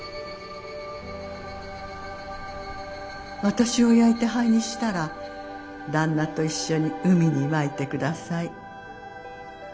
「私を焼いて灰にしたら旦那と一緒に海にまいて下さい。